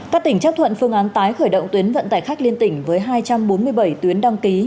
các tỉnh chấp thuận phương án tái khởi động tuyến vận tải khách liên tỉnh với hai trăm bốn mươi bảy tuyến đăng ký